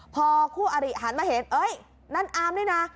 พอคู่อาริหันมาเห็นนั่นอาร์มนี่นะ